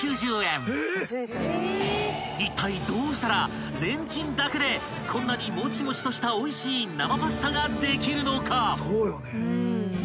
［いったいどうしたらレンチンだけでこんなにもちもちとしたおいしい生パスタができるのか？］